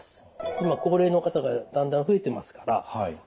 今高齢の方がだんだん増えてますから膀胱がん